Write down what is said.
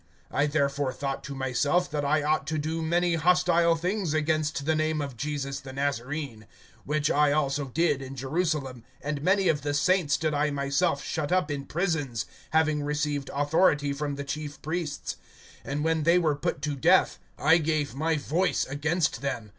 (9)I therefore thought to myself, that I ought to do many hostile things against the name of Jesus the Nazarene. (10)Which I also did in Jerusalem; and many of the saints did I myself shut up in prisons, having received authority from the chief priests; and when they were put to death, I gave my voice against them.